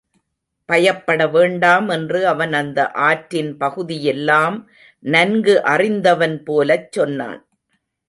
பயப்பட வேண்டாம் என்று அவன் அந்த ஆற்றின் பகுதியெல்லாம் நன்கு அறிந்தவன்போலச் சொன்னான்.